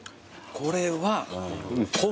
これは。